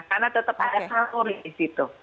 karena tetap ada salur di situ